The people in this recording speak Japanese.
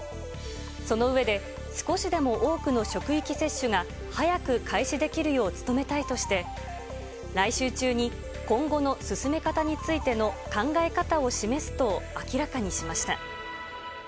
その上で、少しでも多くの職域接種が早く開始できるよう努めたいとして、来週中に今後の進め方についての考え方を示すと明らかにしました。